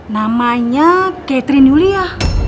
namanya catherine yulia